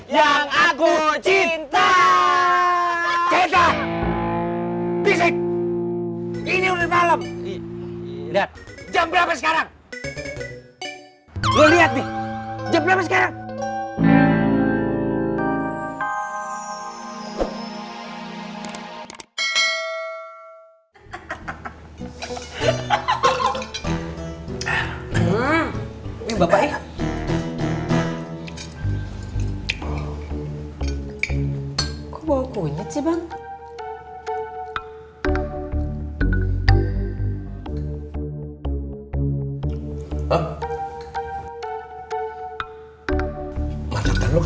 yang aku cinta kita bisik ini udah malam dan jam berapa sekarang